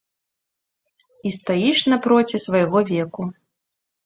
І стаіш напроці свайго веку.